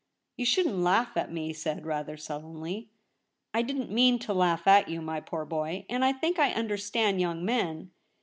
* You shouldn't laugh at me,' he said, rather sullenly. * I didn't mean to laugh at you, my poor boy, and I think I understand young men.